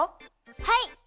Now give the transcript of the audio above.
はい！